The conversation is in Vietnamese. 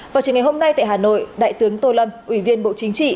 và chỉ ngày hôm nay tại hà nội đại tướng tô lâm ủy viên bộ chính trị